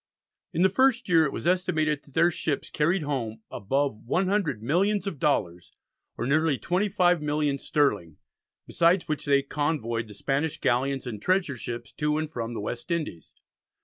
In the first year it was estimated that their ships carried home above 100 millions of dollars, or nearly 25 millions sterling, besides which they convoyed the Spanish galleons and treasure ships to and from the West Indies.